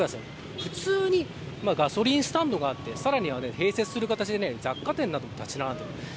普通にガソリンスタンドがあってさらには併設する形で雑貨店が建ち並んでいる。